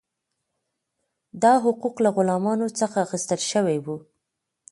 دا حقوق له غلامانو څخه اخیستل شوي وو.